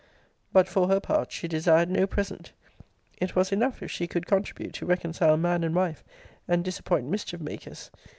But, for her part, she desired no present. It was enough if she could contribute to reconcile man and wife, and disappoint mischief makers.